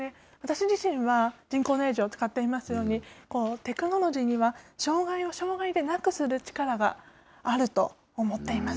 私自身は、人工内耳を使っていますので、テクノロジーには障害を障害でなくする力があると思っています。